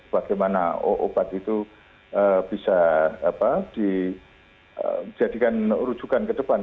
bagaimana obat itu bisa dijadikan rujukan ke depan